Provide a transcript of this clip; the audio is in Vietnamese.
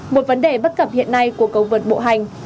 một vấn đề bất cập hiện nay của cầu vượt bộ hành